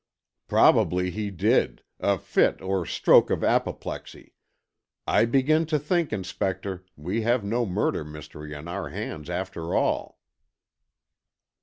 "Probably he did. A fit or stroke of apoplexy. I begin to think, Inspector, we have no murder mystery on our hands after all."